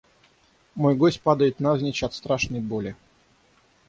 Мой гость падает навзничь от страшной боли.